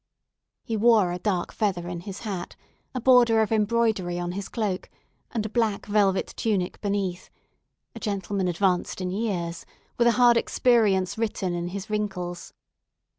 He wore a dark feather in his hat, a border of embroidery on his cloak, and a black velvet tunic beneath—a gentleman advanced in years, with a hard experience written in his wrinkles.